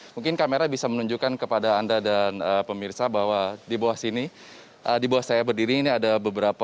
mungkin kamera bisa menunjukkan kepada anda dan pemirsa bahwa di bawah sini di bawah saya berdiri ini ada beberapa